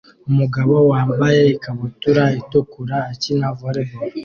Umugabo wambaye ikabutura itukura akina volley ball